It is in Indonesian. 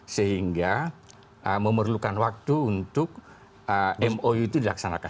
sehingga memerlukan waktu untuk mou itu dilaksanakan